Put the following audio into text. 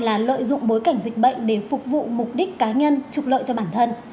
hành vi không chỉ dùng bối cảnh dịch bệnh để phục vụ mục đích cá nhân trục lợi cho bản thân